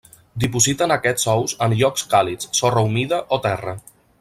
Dipositen aquests ous en llocs càlids, sorra humida o terra.